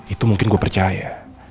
itu mungkin gue percaya